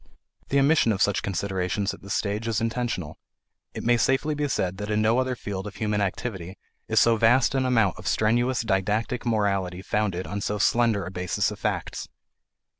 The omission of such considerations at this stage is intentional. It may safely be said that in no other field of human activity is so vast an amount of strenuous didactic morality founded on so slender a basis of facts.